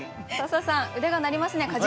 笹さん腕が鳴りますね。